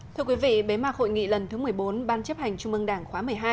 thưa quý vị bế mạc hội nghị lần thứ một mươi bốn ban chấp hành trung mương đảng khóa một mươi hai